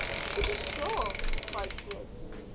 "To be sure," cried Griggs.